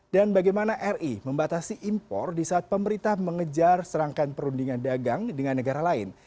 dan bagaimana ri membatasi impor di saat pemerintah mengejar serangkan perundingan dagang dengan negara lain